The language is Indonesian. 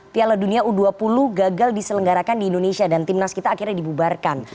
piala dunia u dua puluh gagal diselenggarakan di indonesia dan timnas kita akhirnya dibubarkan